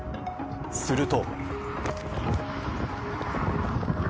すると。